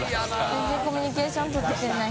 全然コミュニケーション取ってくれない。